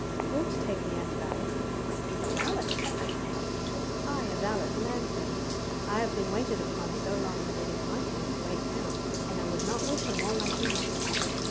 Wilt take me as a valet?' 'A valet!' I exclaimed. 'Aye, a valet, a man servant. I have been waited upon so long that it is my turn to wait now, and I would not wish a more likely master.